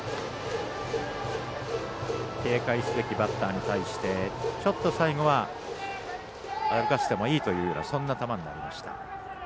警戒すべきバッターに対してちょっと最後は歩かせてもいいというようなそんな球になりました。